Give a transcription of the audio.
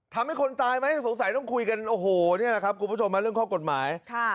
ทำให้คนตายไหมสงสัยต้องคุยกันโอ้โหนี่แหละครับคุณผู้ชมเรื่องข้อกฎหมาย